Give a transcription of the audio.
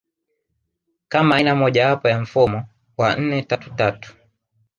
kama aina mojawapo ya mfumo wa nne tatu tatu